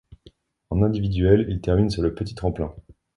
En individuel, il termine sur le petit tremplin.